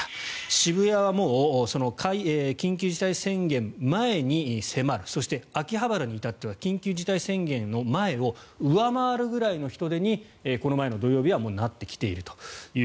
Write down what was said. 渋谷はもう緊急事態宣言前に迫るそして秋葉原に至っては緊急事態宣言の前を上回るぐらいの人出にこの前の土曜日はなってきていると。